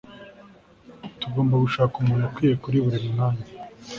tugomba gushaka umuntu ukwiye kuri buri mwanya